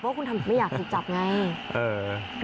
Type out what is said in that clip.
เพราะคุณทำผิดไม่อยากถูกจับไง